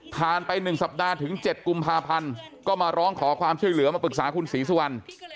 ไป๑สัปดาห์ถึง๗กุมภาพันธ์ก็มาร้องขอความช่วยเหลือมาปรึกษาคุณศรีสุวรรณ